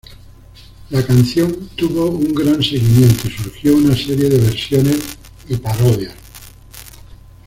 La canción tuvo un gran seguimiento y surgió una serie de versiones y parodias.